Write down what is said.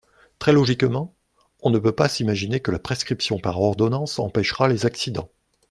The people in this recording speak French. Très logiquement, on ne peut pas imaginer que la prescription par ordonnance empêchera les accidents.